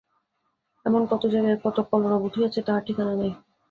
এমন কত জায়গায় কত কলরব উঠিয়াছে তাহার ঠিকানা নাই।